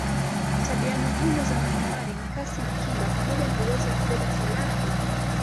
Tabia muhimu za manowari ni kasi na kinga pamoja na uwezo wa kubeba silaha.